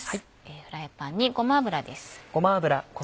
フライパンにごま油です。